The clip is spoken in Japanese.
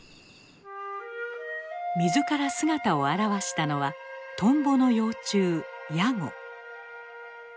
水から姿を現したのはトンボの幼虫ヤゴ。